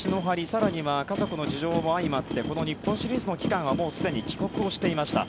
更には家族の事情も相まってこの日本シリーズの期間はすでに帰国をしていました。